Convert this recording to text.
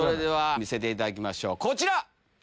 見せていただきましょうこちら！